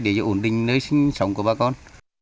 để ổn định nơi sinh sống của bà con